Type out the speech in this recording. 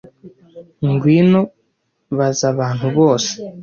ngwino baza abantu bose